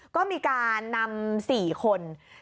ก็มีการนำ๔คน